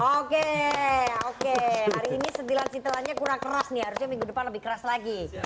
oke oke hari ini setilan sentilannya kurang keras nih harusnya minggu depan lebih keras lagi